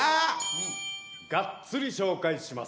がっつり紹介します。